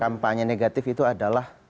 kampanye negatif itu adalah